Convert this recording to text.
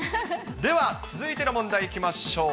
では続いての問題いきましょう。